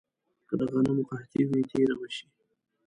که د غنمو قحطي وي، تېره به شي.